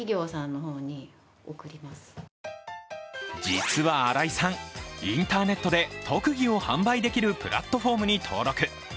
実は新井さん、インターネットで特技を販売できるプラットフォームに登録。